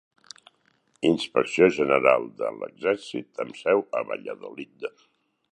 Inspecció General de l'Exèrcit amb seu a Valladolid.